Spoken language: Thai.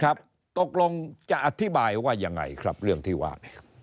ครับตกลงจะอธิบายว่ายังไงครับเรื่องที่ว่า